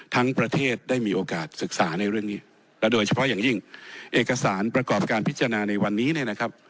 ประเทศได้มีโอกาสศึกษาในเรื่องนี้และโดยเฉพาะอย่างยิ่งเอกสารประกอบการพิจารณาในวันนี้เนี่ยนะครับ